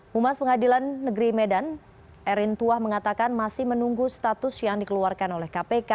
humas pengadilan negeri medan erin tuah mengatakan masih menunggu status yang dikeluarkan oleh kpk